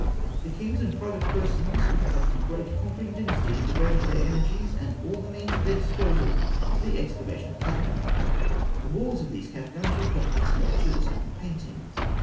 The kings and private persons of the great conquering dynasties devoted their energies, and all the means at their disposal, to the excavation of catacombs. The walls of those catacombs were covered with sculptures and paintings.